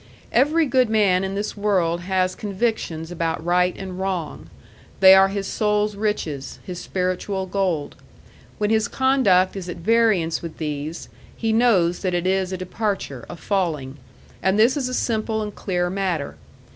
Every good man in this world has convictions about right and wrong. They are his soul's riches, his spiritual gold. When his conduct is at variance with these, he knows that it is a departure, a falling; and this is a simple and clear matter.